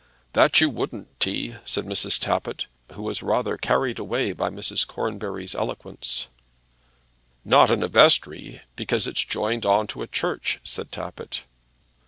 "That you wouldn't, T.," said Mrs. Tappitt, who was rather carried away by Mrs. Cornbury's eloquence. "Not in a vestry, because it's joined on to a church," said Tappitt.